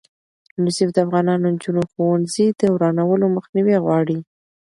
یونیسف د افغانو نجونو ښوونځي د ورانولو مخنیوی غواړي.